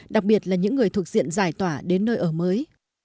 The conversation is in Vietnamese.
đặc biệt là những người thuộc diện giải tỏa đến nơi ở mới